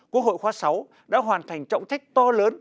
quốc hội khóa sáu đã hoàn thành trọng trách to lớn